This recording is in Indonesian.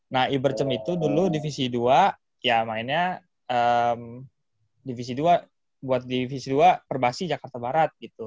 nah iberducem itu dulu divisi dua ya mainnya divisi dua buat divisi dua perbasih jakarta barat gitu